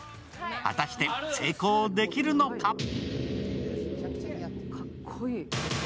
果たして成功できるのか？